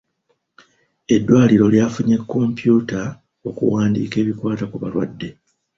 Eddwaliro lyafunye kompyuta okuwandiika ebikwata ku balwadde.